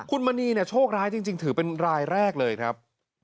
คุณมณีเนี่ยโชคร้ายจริงถือเป็นรายแรกเลยครับ